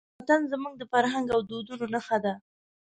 وطن زموږ د فرهنګ او دودونو نښه ده.